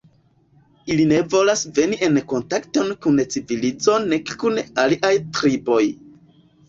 Ili ne volas veni en kontakton kun civilizo nek kun aliaj triboj.